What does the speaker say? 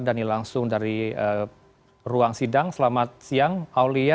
dan ini langsung dari ruang sidang selamat siang aulia